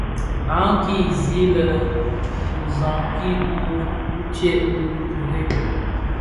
Å kpii zig bi nsàdki wu ctsee (bi kirèè).